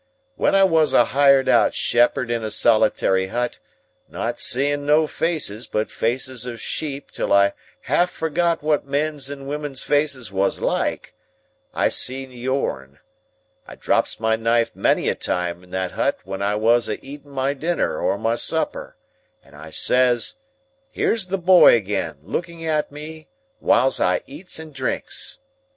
When I was a hired out shepherd in a solitary hut, not seeing no faces but faces of sheep till I half forgot wot men's and women's faces wos like, I see yourn. I drops my knife many a time in that hut when I was a eating my dinner or my supper, and I says, 'Here's the boy again, a looking at me whiles I eats and drinks!